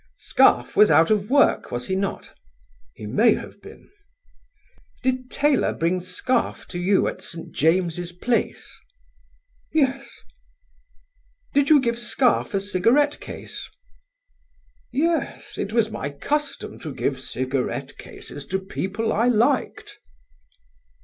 "Scarfe was out of work, was he not?" "He may have been." "Did Taylor bring Scarfe to you at St. James's Place?" "Yes." "Did you give Scarfe a cigarette case?" "Yes: it was my custom to give cigarette cases to people I liked."